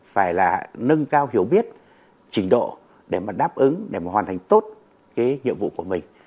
phải là nâng cao hiểu biết trình độ để mà đáp ứng để mà hoàn thành tốt cái nhiệm vụ của mình